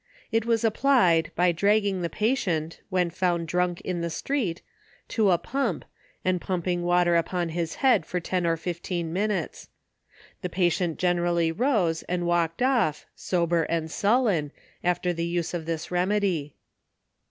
It was applied, by dragging the patient, when found drunk in the street, to a pump, and pumping water upon his head for ten or fifteen minutes. The patient generally rose, and walked off, sober and sullen, after the use of this remedy.